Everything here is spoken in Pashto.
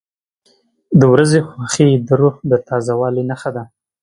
• د ورځې خوښي د روح د تازه والي نښه ده.